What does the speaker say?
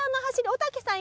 おたけさん